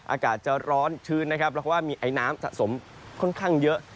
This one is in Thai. อากาศจะร้อนชื้นนะครับแล้วก็มีไอน้ำสะสมค่อนข้างเยอะ